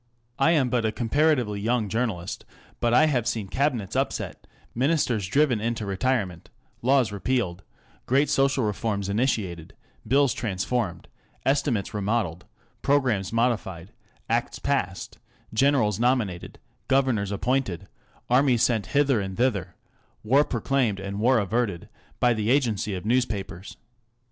I am but a comparatively young journalist, but I have seen Cabinets upset, Ministers driven into retirement, laws repealed, great social reforms initiated, Bills transformed, estimates remodelled, programmes modified, Acts passed, generals nominated, governors appointed, armies sent hither and thither, war proclaimed and war averted, by the agency of newspapers.